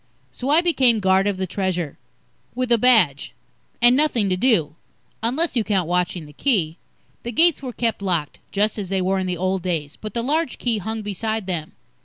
So I became guard of the Treasure. With a badge. And nothing to do unless you count watching the Key. The gates were kept locked, just as they were in the old days, but the large Key hung beside them.